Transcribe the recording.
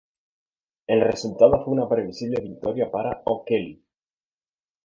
El resultado fue una previsible victoria para O'Kelly.